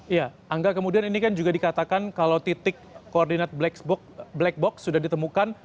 iya angga kemudian ini kan juga dikatakan kalau titik koordinat black box sudah ditemukan